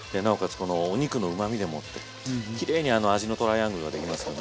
このお肉のうまみでもってきれいに味のトライアングルが出来ますよね。